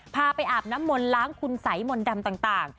พาไปอาบน้ำมนต์ล้างคุณสัยมนต์ดำต่าง